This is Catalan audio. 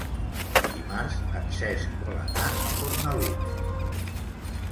Dimarts en Cesc vol anar a Fornalutx.